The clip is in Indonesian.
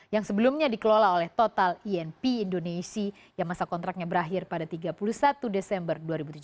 yang sebelumnya dikelola oleh total inp indonesia yang masa kontraknya berakhir pada tiga puluh satu desember dua ribu tujuh belas